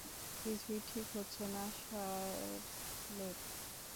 কিছুই ঠিক হচ্ছে না শার্লেট।